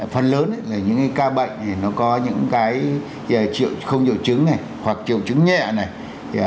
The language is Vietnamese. phần lớn là những ca bệnh nó có những cái không triệu chứng này hoặc triệu chứng nhẹ này